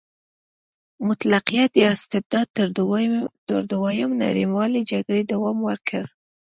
مطلقیت یا استبداد تر دویمې نړیوالې جګړې دوام وکړ.